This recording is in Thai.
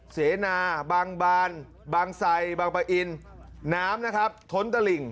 เสนาบางบานบางไซบางปะอินน้ำนะครับท้นตะหลิ่ง